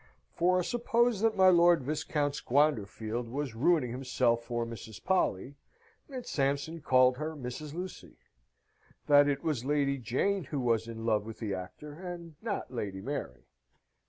For suppose that my Lord Viscount Squanderfield was ruining himself for Mrs. Polly, and Sampson called her Mrs. Lucy? that it was Lady Jane who was in love with the actor, and not Lady Mary?